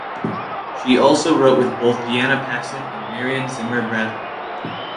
She also wrote with both Diana Paxson and Marion Zimmer Bradley.